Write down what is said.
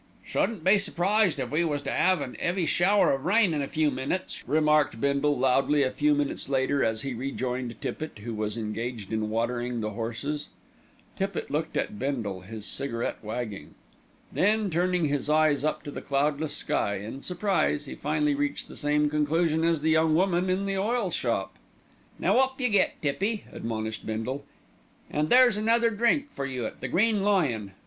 "Shouldn't be surprised if we was to 'ave an 'eavy shower of rain in a few minutes," remarked Bindle loudly a few minutes later, as he rejoined Tippitt, who was engaged in watering the horses. Tippitt looked at Bindle, his cigarette wagging. Then turning his eyes up to the cloudless sky in surprise, he finally reached the same conclusion as the young woman at the oil shop. "Now up you get, Tippy," admonished Bindle, "an' there's another drink for you at The Green Lion."